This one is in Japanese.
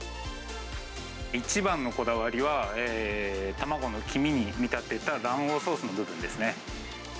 一番のこだわりは、卵の黄身に見立てた卵黄ソースの部分ですね。